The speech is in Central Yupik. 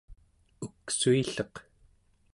uksuilleq